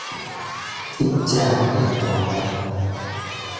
乞食下大願